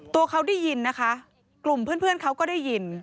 ตัวเขาได้ยินนะคะกลุ่มเพื่อนเขาก็ได้ยิน